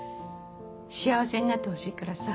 幸せになってほしいからさ